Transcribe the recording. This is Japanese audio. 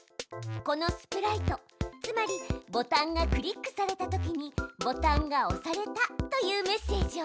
このスプライトつまりボタンがクリックされたときに「ボタンがおされた」というメッセージを送るのよ。